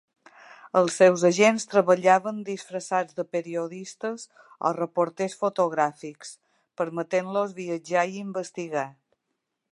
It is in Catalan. Els seus agents treballaven disfressats de periodistes o reporters fotogràfics, permetent-los viatjar i investigar.